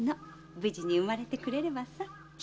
無事に生まれてくれれば。